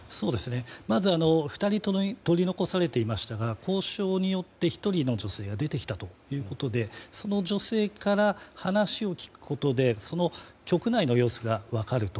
まず２人取り残されていましたが交渉によって１人の女性が出てきたということでその女性から話を聞くことでその局内の様子が分かると。